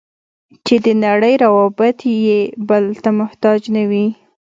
چې د نړۍ روابط یې بل ته محتاج نه وي.